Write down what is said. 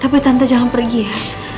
tapi tante jangan pergi ya